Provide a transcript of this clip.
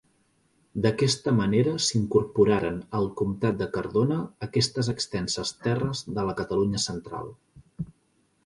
D'aquesta manera s'incorporaren al comtat de Cardona aquestes extenses terres de la Catalunya central.